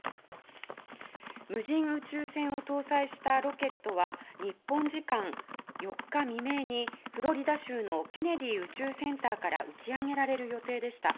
無人宇宙船を搭載したロケットは日本時間４日未明にフロリダ州のケネディ宇宙センターから打ち上げられる予定でした。